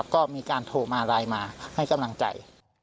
ก็มีการโทรมาไลน์มาให้กำลังใจ